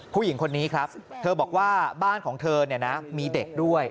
ผู้หญิงคนนี้ครับเธอบอกว่าบ้านของเธอมีเด็กด้วย